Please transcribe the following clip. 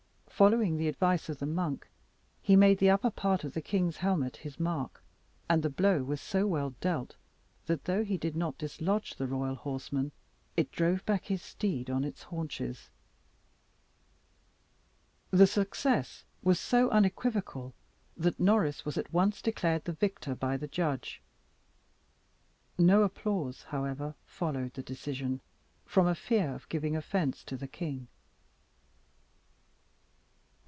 Following the advice of the monk, he made the upper part of the king's helmet his mark, and the blow was so well dealt, that, though he did not dislodge the royal horseman, it drove back his steed on its haunches. The success was so unequivocal that Norris was at once declared the victor by the judge. No applause, however, followed the decision, from a fear of giving offence to the king.